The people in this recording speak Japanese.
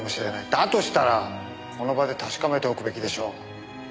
だとしたらこの場で確かめておくべきでしょう。